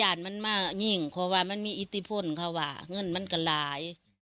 มันมาเงิงพอว่ามันมีอิติพลเขาก็ว่าเงินมันกลาย